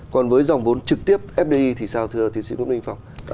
còn với dòng vốn trực tiếp fdi thì sao thưa thị sĩ quốc minh phong